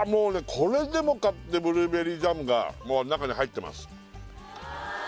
これでもかってブルーベリージャムがもう中に入ってます